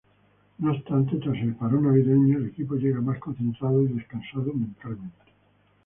No obstante, tras el parón navideño el equipo llega más concentrado y descansado mentalmente.